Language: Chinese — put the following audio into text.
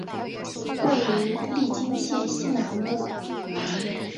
位于利津县西南部。